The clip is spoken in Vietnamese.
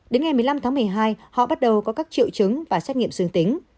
đến ngày một mươi năm tháng một mươi hai họ bắt đầu có các triệu chứng và xét nghiệm dương tính